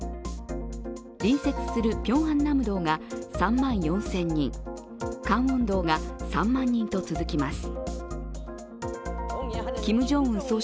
隣接するピョンアンナムドが３万４０００人カンウォンドが３万人と続きます。